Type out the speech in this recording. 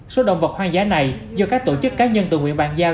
số động vật hoang dã này do các tổ chức cá nhân tự nguyện bàn giao